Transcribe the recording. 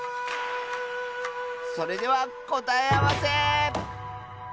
それではこたえあわせ！